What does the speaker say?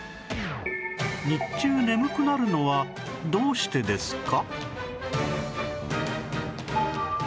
日中眠くなるのはどうしてですか？